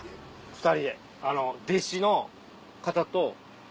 ２人で弟子の方と。